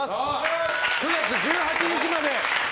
９月１８日まで。